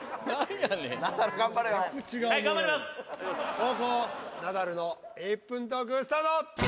後攻ナダルの１分トークスタート。